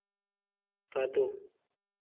Fadu.